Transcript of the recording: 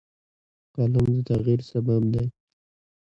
قلم د تغیر سبب دی